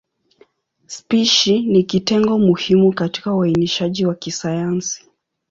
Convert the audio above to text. Spishi ni kitengo muhimu katika uainishaji wa kisayansi.